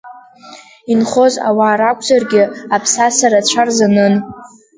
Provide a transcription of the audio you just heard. Инхоз ауаа ракәзаргьы, аԥсаса рацәа рзанын.